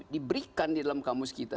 diberikan di dalam kamus kita